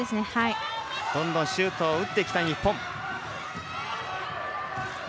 どんどんシュートを打っていきたい日本。